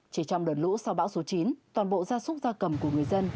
chỉ trong đợt lũ sau bão số chín toàn bộ gia súc gia cầm của người dân